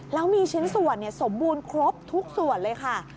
แล้วมีชิ้นส่วนสมบูรณ์ครบทุกส่วนเลยค่ะ